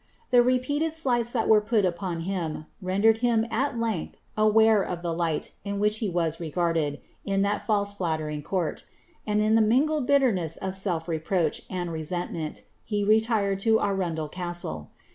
The repeated slights that were put upon him, rendered him at length aware of the light in which he was regarded in that &lse flattering court ; and in the mingled bitterness of self reproach and resentment, he retired to Arundel castle.